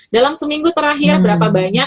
dalam seminggu terakhir berapa banyak